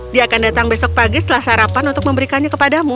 dia akan datang besok pagi setelah sarapan untuk memberikannya kepadamu